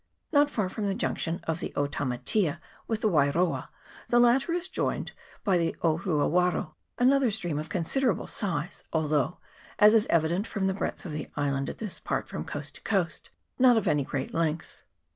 Not far from the junction of the Otamatea with the Wairoa, the latter is joined by the Oruawaro, another stream of con siderable size, although, as is evident from the breadth of the island at this part from coast to coast, not of any great length.